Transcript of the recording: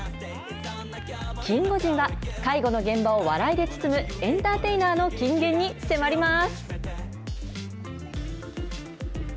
キンゴジンは、介護の現場を笑いで包む、エンターテイナーの金言に迫ります。